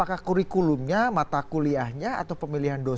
apakah kurikulumnya mata kuliahnya atau pemilihan dosennya kah